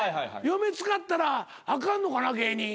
嫁使ったらあかんのかな芸人。